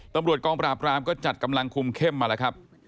ตำรวจกองปราบรามก็จัดกำลังคุมเข้มมาแล้วครับ